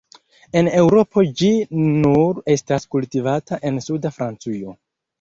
En Eŭropo ĝi nur estas kultivata en suda Francujo.